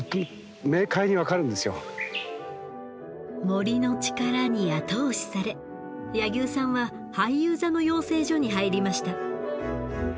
森の力に後押しされ柳生さんは俳優座の養成所に入りました。